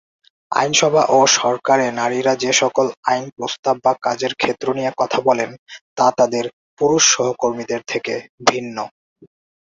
আইনসভা ও সরকারে নারীরা যে সকল আইন প্রস্তাব বা কাজের ক্ষেত্র নিয়ে কথা বলেন, তা তাদের পুরুষ সহকর্মীদের থেকে ভিন্ন।